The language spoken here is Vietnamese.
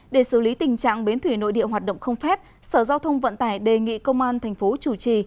để xử lý tình trạng bến thủy nội địa hoạt động không phép sở giao thông vận tải đề nghị công an tp chủ trì